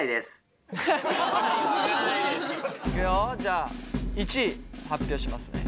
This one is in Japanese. いくよじゃあ１位発表しますね。